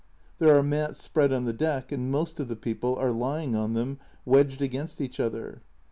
There are mats spread on the deck, and most of the people are lying on them wedged against each other.